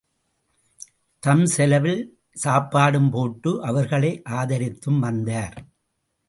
தம் செலவில் சாப்பாடும்போட்டு அவர்களை ஆதரித்தும் வந்தார்.